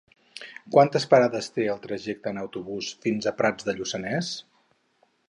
Quantes parades té el trajecte en autobús fins a Prats de Lluçanès?